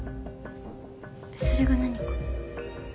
それが何か？